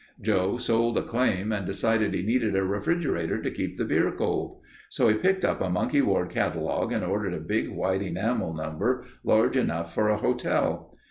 Joe sold a claim and decided he needed a refrigerator to keep the beer cold. So he picked up a Monkey Ward catalogue and ordered a big white enamel number large enough for a hotel.